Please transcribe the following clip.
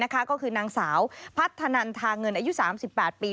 ก็คือนางสาวพัฒนันทาเงินอายุ๓๘ปี